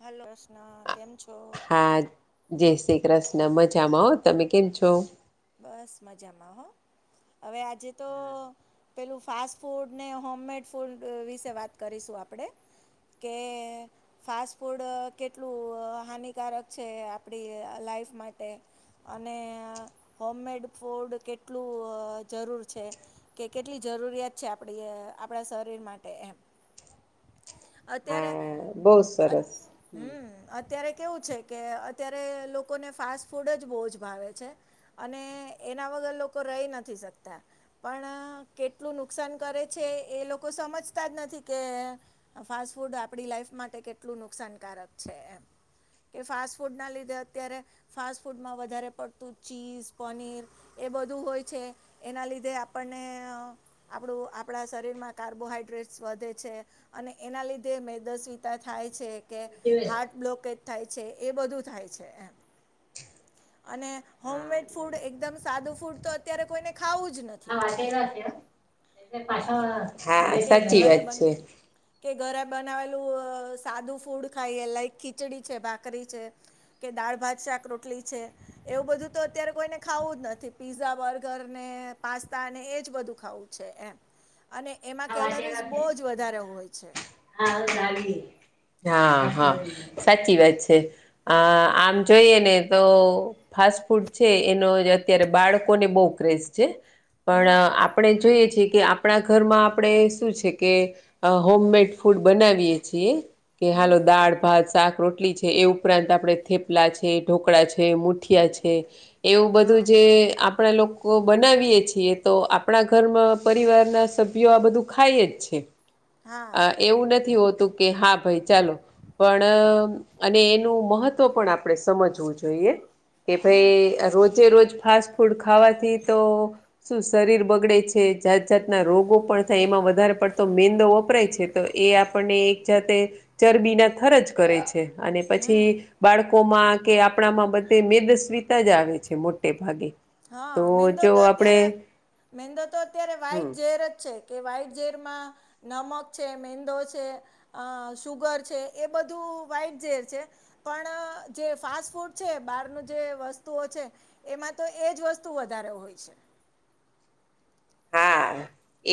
હાલો, કેમ છો? હા, જય શ્રી કૃષ્ણ, મજામાં હો, તમે કેમ છો? બસ મજામાં હો, હવે આજે તો પેલું ફાસ્ટ ફૂડ ને, હોમમેડ ફૂડ વિશે વાત કરીશું આપણે. કે. ફાસ્ટ ફૂડ કેટલું હાનિકારક છે, આપણી લાઈફ માટે. અને હોમમેડ ફૂડ કેટલું જરૂર છે. કે કેટલી જરૂરિયાત છે આપડી, આપણા શરીર માટે એમ. અત્યારે. હા બહુ સરસ. હમ્મ અત્યારે કેવું છે કે, અત્યારે લોકોને ફાસ્ટ ફૂડ જ બહુ જ ભાવે છે. અને એના વગર લોકો રહી નથી શકતા. પણ કેટલું નુકસાન કરે છે, એ લોકો સમજતા જ નથી કે આ ફાસ્ટફૂડ આપણી લાઈફ માટે કેટલું નુકસાનકારક છે એમ. કે ફાસ્ટ ફૂડના લીધે અત્યારે ફાસ્ટ ફૂડમાં વધારે પડતું ચીઝ. પનીર એ બધું હોય છે, એના લીધે આપણને આપણું આપણા શરીર માં કાર્બોહાઈડ્રેટ્સ વધે છે. અને એના લીધે મેદસ્વીતા થાય છે કે, હાર્ટ બ્લોકેટ. થાય છે, એ બધું થાય છે, એમ અને હોમમેડ. ફૂડ એકદમ સાદું ફૂડ તો અત્યારે કોઈને ખાવું જ નથી. સાચી વાત બેન. હા કે ઘર બને. કે ઘરે બનાવેલું સાદું ફૂડ ખાઈએ, લાઈક ખીચડી છે, ભાખરી છે. કે દાળ-ભાત, શાક, રોટલી છે, એવું બધું તો અત્યારે કોઈને ખાવું જ નથી, પીઝા બર્ગર ને પાસ્તા અને એ જ બધું ખાવું છે, એમ અને એમાં કેલરીઝ બહુ જ વધારે હોય છે. સાચી વાત છે. આમ જોઈએ ને તો. ફાસ્ટ ફૂડ છે, એનો અત્યારે બાળકોને બહુ ક્રેઝ છે. પણ હમ આપણે જોઈએ છીએ કે, આપણા ઘરમાં આપણે શું છે કે, હોમમેડ ફૂડ બનાવીએ છીએ કે, હાલો હમ દાળ-ભાત, શાક રોટલી છે એવું. ઉપરાંત આપણે થેપલા છે, ઢોકળા છે, મુઠિયા છે, એવું બધું હા જે આપ પણે લોકો બનાવીએ છીએ તો આપણા ઘરમાં પરિવારના સભ્યો આ બધું ખાય જ છે. હા. અહ એવું નથી હોતું, કે હા ભાઈ ચાલો પણ અને એનું મહત્ત્વ પણ આપણે સમજવું જોઈએ. કે હમ ભઈ રોજે રોજ ફાસ્ટ ફૂડ ખાવાથી તો શું શરીર બગડે છે, જાત-જાતના રોગો પણ થાય. એમાં વધારે પડતો મેંદો વપરાય છે. તો એ આપણને એક જાતે ચરબીના થર જ કરે છે. અને હમ પછી બાળકોમાં કે આપ પણામાં બધે મેદસ્વીતા જ આવે છે, મોટે ભાગે. તો હા. મેંદો જો તો આપણે અત્યારે, મેંદો તો અત્યારે હમ વાઈટ ઝેર જ છે. કે વાઈટ ઝેરમાં નમક છે, મેંદો છે, અહ શુગર છે, એ બધું વાઈટ ઝેર છે. પણ આ જે ફાસ્ટ ફૂડ છે, એ બહારનું જે વસ્તુઓ છે, એમાં તો એ જ વસ્તુ વધારે હોય છે. હા,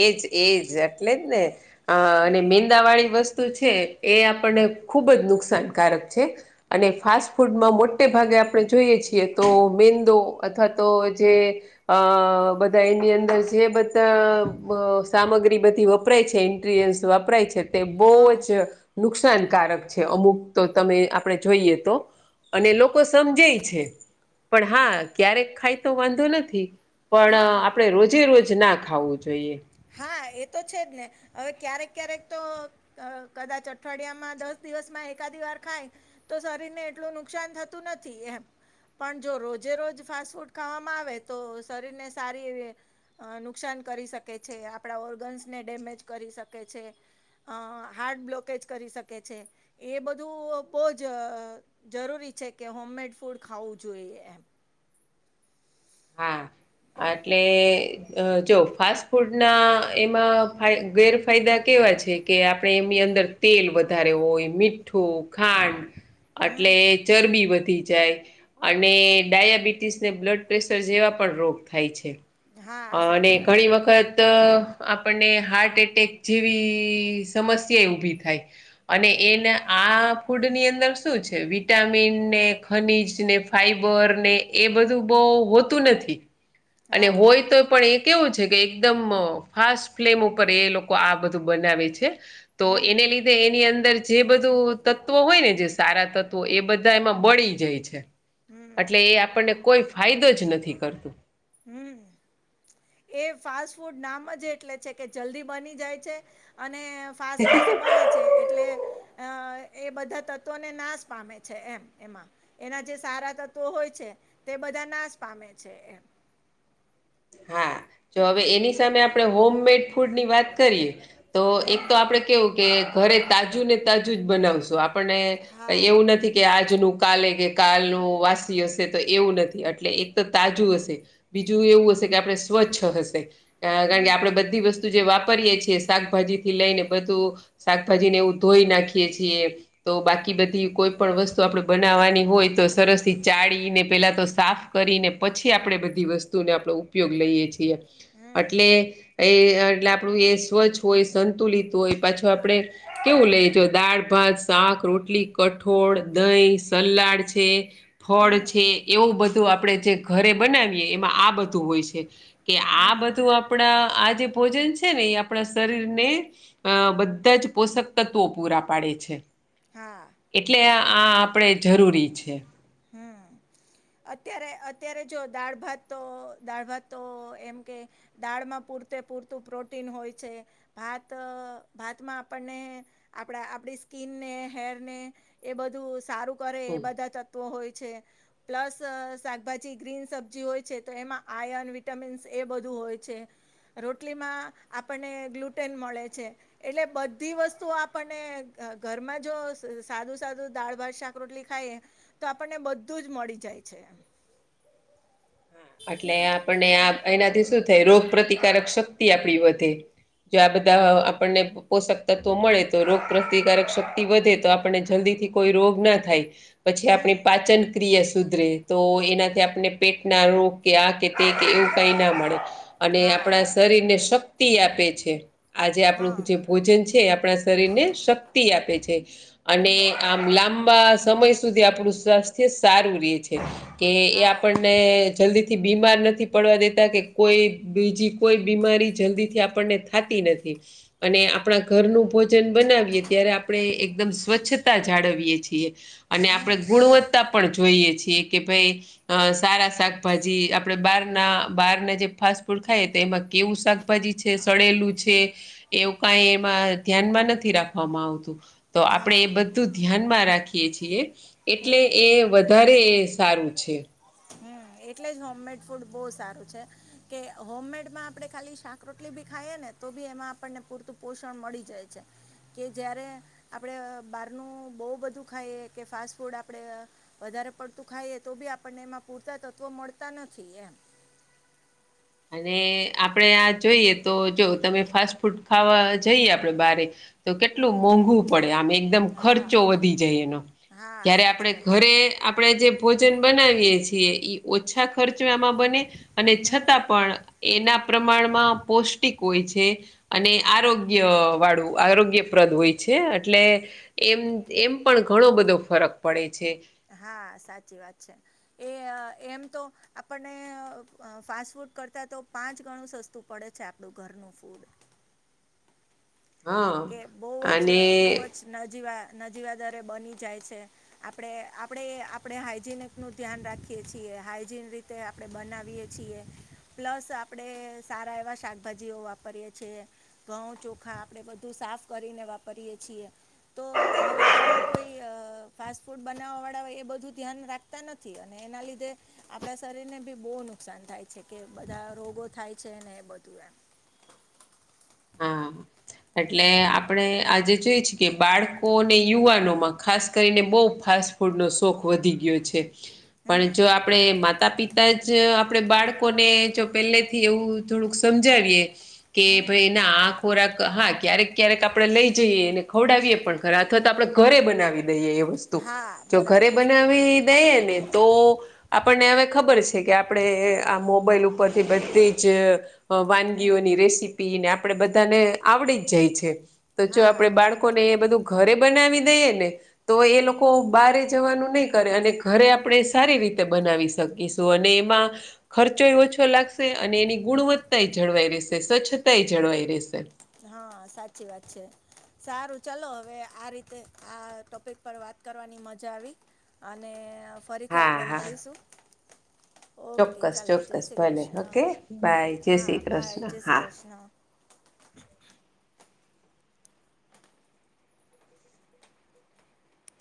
એ જ, એ જ. એટલે જ ને. અહ અને મેંદાવાળી વસ્ તું છે એ આપણને ખૂબ જ નુકસાનકારક છે. અને ફાસ્ટ ફૂડમાં મોટે ભાગે આપણે જોઈએ છીએ તો મેંદો અથવા તો જે અહ બધા એની અંદર સ જે બધા અહ સામગ્રી બધી વપરાય છે, ઈન્ટ્રીલ્યન્સ વપરાય છે તે બહુ હા જ નુકસાનકારક છે, અમુક તો આપણે જોઈએ તો. અને લોકો સમજેઈ છે. પણ હા, ક્યારેક ખાય તો વાંધો નથી. પણ હા આપણે રોજે રોજ ના ખાવું જોઈએ. હા, એ તો છે જ ને. હવે ક્યારેક-ક્યારેક તો અહ કદાચ અઠવાડિયામાં, દસ દિવસમાં એકાદી વાર ખાય તો શરીરને એટલું નુકસાન થતું નથી એમ. પન જો રોજે રોજ ફાસ્ટ ફૂડ ખાવામાં આવે તો શરીરને સારી એવી અહ નુકસાન કરી શકે છે, આપણા ઓર્ગન્સને ડેમેજ કરી શકે છે. અહ હાર્ટ બ્લોકેજ કરી શકે છે. એ બધું બહુ જ જરૂરી છે, કે હોમમેડ ફૂડ ખાવું જોઈએ એમ. [inaudible] હા એટલે અહ જો ફાસ્ટ ફૂડના એમાં ફાય ગેરફાયદા કેવા છે કે આપણે એમની અંદર તેલ વધારે હોય, મીઠ ઠું, ખાંડ એટલે હમ ચરબી વધી જાય. અને ડાયાબિટીસ ને બ્લડ પ્રેશર જેવા પણ રોગ થાય છે. હા અને સાચી વાત છે ઘણી વખત ત આપણને હાર્ટ એટેક જેવી સમસ્યા એઈ ઊભી થાય. અને એના આ ફૂડની અંદર શું છે? વિટામિન ને, ખનીજ ને, ફાઈબર ને એ બધું બહુ હોતું નથી. અને હા હોય તોઈ પણ એ કેવું છે કે એકદમ ફાસ્ટ ફ્લેમ ઉપર એ લોકો આ બધું બનાવે છે. તો હમ એને લીધે એની અંદર જે બધું તત્ ત્વો હોય ને જે સારા તત્વો, એ બધા એમાં બળી જાય છે. હમ એટલે એ આપણને કોઈ ફાયદો જ નથી કરતું. હમમ. એ ફાસ્ટ ફૂડ નામ જ એટલે છે કે જલ્દી બની જાય છે અને ફાસ્ટ ગેસે બને છે એ એટલે અ એ બધા તત્વોને નાશ પામે છે એમ એમાં એના જે સારા તત્વો હોય છે તે બધા નાશ પામે છે એમ. હા જો હવે એની સામે આપણે હોમ મેડ ફૂડ ની વાત કરીએ તો એક તો હમ આપડે કેવું કે ઘરે તાજું ને તાજું જ બનાવશું આપ આપણ ને કય હા એવું નથી કે આજનું કાલે કે કાલનું વાસી હશે તો એવું નથી એટલે એ તો તાજું હશે. બીજું એવું હશે કે, આપણે સ્વચ્છ હશે કારણ કે હમ આપણે બધી વસ્તુ જે વાપરીએ છીએ શાકભાજી, થી લઈને બધું શાકભાજી ને એવું ધોઈ નાખીએ છીએ. તો બાકી બધી કોઈ પણ વસ્તુ આપણેે બનાવાની, હોય તો સરસ થી ચાડીને પહેલા તો સાફ કરીને પછી આપણેે બધી વસ્તુ નો આપણે ઉ ઉપયોગ લઈએ છીએ હમ અટલે, એ એટલે આપણું એ સ્વચ્છ હોય સંતુલિત હોય પાછું આપણે, કેવું લેજો દાળ-ભાત, શાક-રોટલી, કઠોળ, દહીં, સલાડ છે, ફળ હમ છે એવું બધું આપણે જે ઘરે બનાવી એમાં આ બધું હોય છે કે આ હમ બધું આ આપણા આ જે ભોજન છે ને એ આપણા શરીરને, હા બધા જ પોષક તત્વો પૂરા પાડે છે. હા એટલે આ આ આપણે જરૂરી છે. હમમ. અત્યારે અત્યારે જો દાળ ભાત તો દાળ ભાત તો એમ કે દાળમાં પૂરતે પૂરતું પ્રોટીન હોય છે, ભાત ભાતમાં આપણને આપણા આપણી સ્કીનને હેરને એ બધું સારું કરે એ હમ. બધા ત્ તત્વો હોય છે. પ્લસ શાકભાજી ગ્રીન સબ્જી હોય છે તો એમાં આયન, વિટામિન્સ એ બધું હોય છે. રોટલીમાં આપણને ગ્લુટેન મળે છે. એટલે બધી વસ્તુ આપણને ઘરમાં જો સાદું સાદું દાળ, ભાત, શાક, રોટલી ખાઇયે તો આપણને બધું જ મળી જાય છે એમ. એટલે આપણને આ એનાથી શું થાય રોગ પ્રતિકારક શક્તિ આપડી વધે. જો આ બધા આપણને પોષક તત્વો મળે તો રોગ પ્રતિકારક શક્તિ વધે તો આપણને જલ્દી થી, કોઈ રોગ ના થાય પછી હમ આપણી પાચન ક્રિયા સુધરે તો એનાથી આપણે પેટ, ના રોગ કે આ કે તે કે એવું કઈ ના મળે અને હા આપણા સ શરીર ને શક્તિ આપે છે આજે હા આપણું જે, ભોજન છે એ આપણા શરીર ને શક્તિ આપે છે. અને હમ આમ લાંબા સમય સુધી આપડું સ્વાસ્થ્ય સારું રે છે. કે એ હા આપણને જલ્દી થી બીમાર નથી પડવા દેતા કે કોઈ બીજી, કોઈ બીમારી જલ્દીથી આપણને થાતી નથી. અને આપણા ઘરનું ભોજન બનાવીએ ત્યારે આપણે એકદમ સ્વચ્છતા જાળવીએ છીએ. અને આપણે હમ ગુણવત્તા પણ જોઈએ છીએ કે ભાઈ અ સ સારા શાકભાજી આપડે બહારના બહારના જે ફાસ્ટ ફૂડ ખાઈએ તો એમાં કેવું શાક ભાજી છે સળેલું છે એવું કાઈ એમાં ધ્યાનમાં નથી રાખવામાં આવતું. તો આપણે હા એ બધું ધ્યાનમાં રાખીએ છીએ એટલે હમ એ વ ઘરે એ સારું છે. હમ એટલે જ હોમમેડ ફૂડ બહુ સારું છે. કે હોમમેડમાં આપડે ખાલી શાક-રોટલી બી ખાઈએ ને, તો બી એમાં આપણને પૂરતું પોષણ મળી જાય છે. કે જયારે આપડે બારનું બહુ બધું ખાઈએ કે, ફાસ્ટ ફૂડ આપડે વધારે પડતું ખાઈએ તો, બી આપણને એમાં પૂરતા તત્વો મળતા નથી એમ. અને આપડે આ જોઈએ તો, જો તમે ફાસ્ટ ફૂડ ખાવા જઈએ, આપડે બારે તો હમ કેટલું મોંઘું પડે, આમ એકદમ હા ખર્ચો વધી જાય, એનો હા જયારે આપડે સાચી વાત છે ઘરે આપણેે જે ભોજન બનાવીએ છીએ, ઈ ઓછા ખર્ચો આમાં બને અને હમ છતાં. પણ એના પ્રમાણમાં પૌષ્ટિક હોય છે. અને આરોગ્ય વાળું આરોગ્યપ્રદ હોય છે, એટલે એમ એમ પણ ઘણો બધો ફરક પડે છે. હા, સાચી વાત છે, એ એમ તો આપણને ફાસ્ટ ફૂડ કરતાં તો પાંચ ગણું સસ્તું પડે છે, આપણું ઘરનું ફૂડ હા કે બહુ જ અને બહુ જ નજીવા નજીવાદરે બની જાય છે. આપણે આપણેે આપણે હાઈજીનિક નું ધ્યાન રાખીએ છીએ, હાઈજીન રી તે આપડે બનાવીએ છીએ, પ્લસ આપડે સારા એવા શાકભાજીઓ વાપરીએ છીએ. ઘઉ, ચોખા આપણે બધું સાફ કરીને વાપરીયે છીએ. તો હવે ત્યાં કોઈ અ ફાસ્ટ ફૂડ બનાવવા વાળા હોય એ, બધું ધ્યાન રાખે. થતા નથી, અને એના લીધે આપણા શરીરને બી બહુ નુકસાન થાય છે કે, બધા રોગો થાય છે ને બધું એમ. હા [unintelligible] એટલે આપણે આજે જોઈએ છે કે, બાળકો અને યુવાનોમાં ખાસ કરીને બહુ ફાસ્ટ ફૂડ નો શોખ વધી ગયો છે, પણ હમ જો આપણે માતા-પિતા જ જ આપણે બાળકોને જો પહેલે થી એવું થોડુંક સમજાવીએ કે. હમ હા, આ ખોરાક. હા, ક્યારેક ક્યારેક આપણે લઈ જઈએ, અને ખવડાવીએ પણ ખરા અથવા તો આપણેે ઘરે બનાવી દઈએ એવુ. વસ્તુ હા જો ઘરે બરાબર છે બનાવી દઈ ને તો. આપણને હવે ખબર છે કે, આપણે આ મોબાઈલ ઉપરથી બધી જ હમ વાનગીઓની રેસીપીને આપણે બધાને આવડી જ જાય છે. તો જો હા આપડે બાળકોને આરામથી એ બધું ઘરે બનાવી દઈએ ને, તો એ હમ લોકો બારે જવાનું નહી કરે, અને ઘરે આપણે સારી રીતે બનાવી શકીશું અને એમાં. ખર્ચોય ઓછો લાગશે, અને એની ગુણવત્તા જળવાઈ રહેશે, સ્વચ્છતાય જળવાઈ રહેશે. હા, સાચી વાત છે. સારું ચાલો, હવે આ રીતે આ ટોપિક પર વાત કરવાની મજા આવી. અને ફરીથી હા આપણે હા મળીશું. ઓકે ચોક્કસ ચાલો, જય ચોક્કસ ભલે કૃષ્ણ. ઓકે બાય જય હા, શ્રી બાય કૃષ્ણ જય શ્રી હા. કૃષ્ણ. [unintelligible]